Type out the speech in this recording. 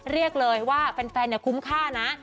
เรียกเลยว่าแฟนคุ้มค่านะ